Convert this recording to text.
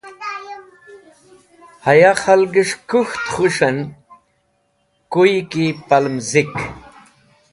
Haya khalgẽs̃h kũk̃ht khus̃hẽn kuyi ki palẽm zik.